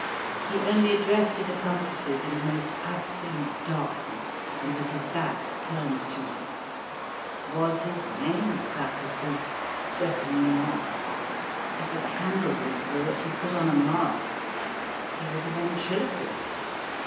He only addressed his accomplices in the most absolute darkness, and with his back turned to them. Was his name Claquesous? Certainly not. If a candle was brought, he put on a mask. He was a ventriloquist.